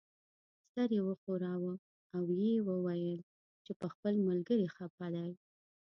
سر یې وښوراوه او یې وویل چې په خپل ملګري خپه دی.